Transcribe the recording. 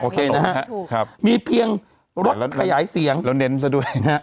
นะฮะถูกครับมีเพียงรถขยายเสียงแล้วเน้นซะด้วยนะฮะ